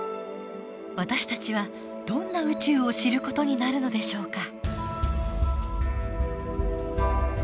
私たちはどんな宇宙を知る事になるのでしょうか。